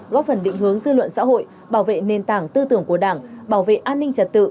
góp phần định hướng dư luận xã hội bảo vệ nền tảng tư tưởng của đảng bảo vệ an ninh trật tự